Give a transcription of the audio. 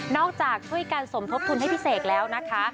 จากช่วยกันสมทบทุนให้พี่เสกแล้วนะคะ